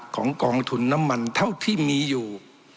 กองทุนน้ำมันเท่าที่มีอยู่